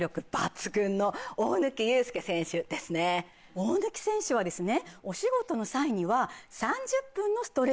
大貫選手はですね。